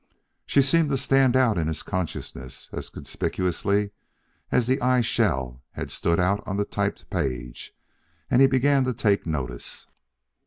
She seemed to stand out in his consciousness as conspicuously as the I shall had stood out on the typed page, and he began to take notice.